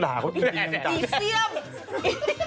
ดีเสี้ยม